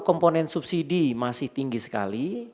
komponen subsidi masih tinggi sekali